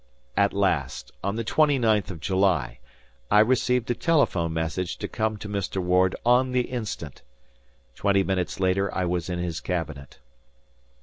At last, on the twenty ninth of July, I received a telephone message to come to Mr. Ward on the instant. Twenty minutes later I was in his cabinet.